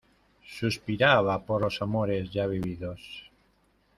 suspiraba por los amores ya vividos